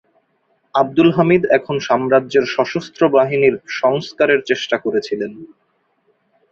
আবদুল হামিদ এখন সাম্রাজ্যের সশস্ত্র বাহিনীর সংস্কারের চেষ্টা করেছিলেন।